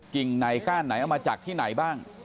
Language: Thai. ่งไหนก้านไหนเอามาจากที่ไหนบ้าง